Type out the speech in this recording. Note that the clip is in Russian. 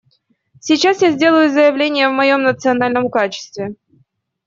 Сейчас я сделаю заявление в моем национальном качестве.